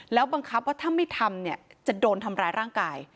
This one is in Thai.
แล้วบังคับว่าถ้าไม่ทำเนี่ยจะโดนทำร้ายร่างกาย